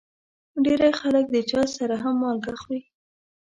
ډېری خلک د چای سره هم مالګه خوري.